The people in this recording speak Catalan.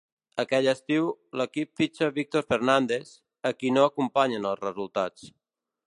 Aquell estiu l'equip fitxa a Víctor Fernández, a qui no acompanyen els resultats.